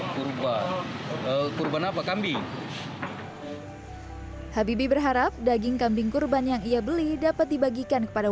kurban apa kambing habibie berharap daging kambing kurban yang ia beli dapat dibagikan kepada